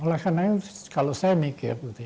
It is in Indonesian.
oleh karena ini kalau saya mikir gitu ya